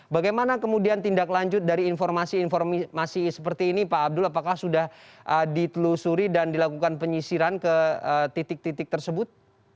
bagaimana kemudian tindak lanjut dari informasi informasi seperti ini pak abdul apakah sudah ditelusuri dan dilakukan penyisiran ke titik titik tersebut